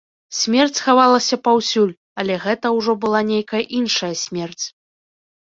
Смерць хавалася паўсюль, але гэта ўжо была нейкая іншая смерць.